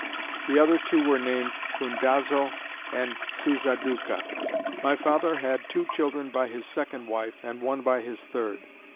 The other two were named Cundazo and Soozaduka. My father had two children by his second wife, and one by his third.